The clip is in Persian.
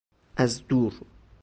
از دور